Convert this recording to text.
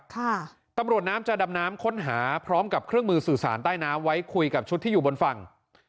ตำรวจน้ำจะดำน้ำค้นหาพร้อมกับเครื่องมือสื่อสารใต้น้ำไว้คุยกับชุดที่อยู่บนฝั่ง